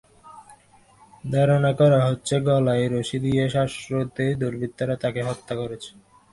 ধারণা করা হচ্ছে, গলায় রশি দিয়ে শ্বাসরোধে দুর্বৃত্তরা তাঁকে হত্যা করেছে।